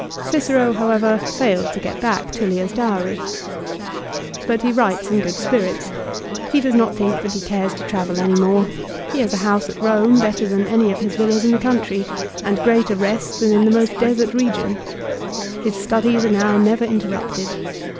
Cicero, however, failed to get back Tullia's dowry. But he writes in good spirits. He does not think that he cares to travel any more. He has a house at Rome better than any of his villas in the country, and greater rest than in the most desert region. His studies are now never interrupted.